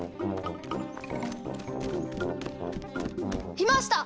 いました！